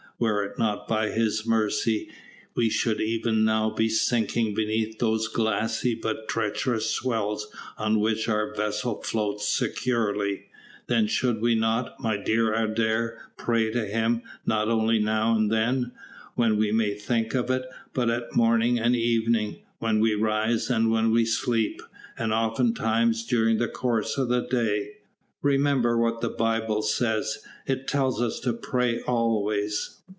Were it not by His mercy, we should even now be sinking beneath those glassy but treacherous swells on which our vessel floats securely; then should we not, my dear Adair, pray to Him, not only now and then, when we may think of it, but at morning and evening, when we rise and when we sleep, and oftentimes during the course of the day? Remember what the Bible says, it tells us to pray always."